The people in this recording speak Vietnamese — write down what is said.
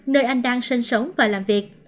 nơi anh đang sinh sống và làm việc